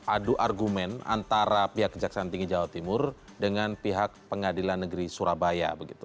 adu argumen antara pihak kejaksaan tinggi jawa timur dengan pihak pengadilan negeri surabaya